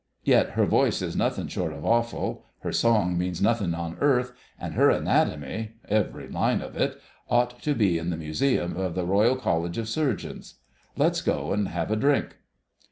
Yet her voice is nothing short of awful, her song means nothing on earth, and her anatomy—every line of it—ought to be in the museum of the Royal College of Surgeons.... Let's go and have a drink."